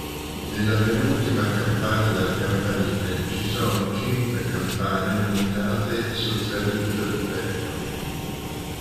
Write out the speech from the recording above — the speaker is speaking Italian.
Nella penultima campata del campanile ci sono cinque campane montate su traliccio di ferro.